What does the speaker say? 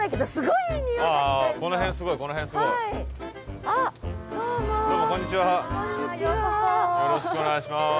よろしくお願いします。